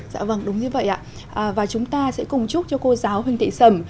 dạ vâng đúng như vậy ạ và chúng ta sẽ cùng chúc cho cô giáo huỳnh thị sầm